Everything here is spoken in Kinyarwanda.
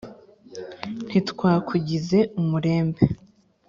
ntitwakugize umurembe